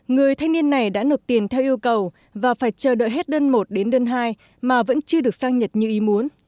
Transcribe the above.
người thanh niên này đã nộp tiền theo yêu cầu và phải chờ đợi hết đơn một đến đơn hai mà vẫn chưa được sang nhật như ý muốn